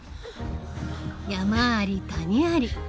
山あり谷あり。